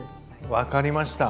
分かりました。